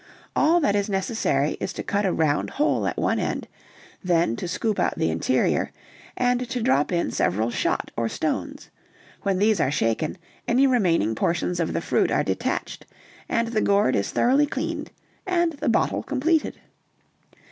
All that is necessary is to cut a round hole at one end, then to scoop out the interior, and to drop in several shot or stones; when these are shaken, any remaining portions of the fruit are detached, and the gourd is thoroughly cleaned, and the bottle completed."